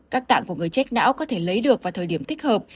các tạng của người chết não có thể lấy được vào thời điểm thích hợp